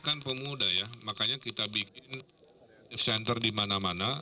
kan pemuda ya makanya kita bikin center di mana mana